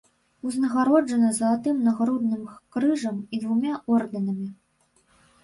Узнагароджаны залатым нагрудным крыжам і двума ордэнамі.